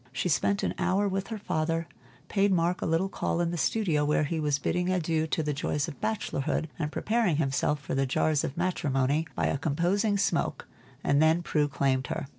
She spent an hour with her father, paid Mark a little call in the studio where he was bidding adieu to the joys of bachelorhood, and preparing himself for the jars of matrimony by a composing smoke, and then Prue claimed her.